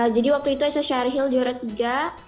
jadi waktu itu aisyah sharheel juara tiga